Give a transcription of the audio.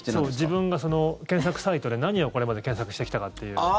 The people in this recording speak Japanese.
自分がその検索サイトで何をこれまで検索してきたかっていう。